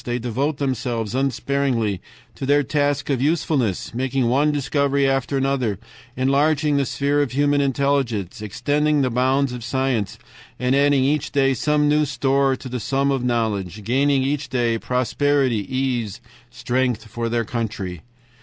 They devote themselves unsparingly to their task of usefulness, making one discovery after another, enlarging the sphere of human intelligence, extending the bounds of science, adding each day some new store to the sum of knowledge, gaining each day prosperity, ease, strength for their country.